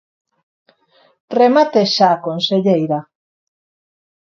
Remate xa, conselleira.